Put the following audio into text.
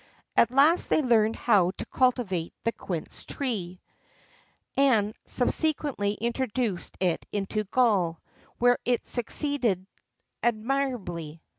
[XIII 5] At last they learned how to cultivate the quince tree,[XIII 6] and subsequently introduced it into Gaul, where it succeeded admirably.